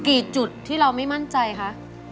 กี่จุดที่เราไม่มั่นใจคะ